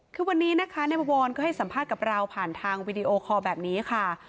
คือวันนี้นะคะในบวรก็ให้สัมภาษณ์กับเราผ่านทางวีดีโอคอลแบบนี้ค่ะ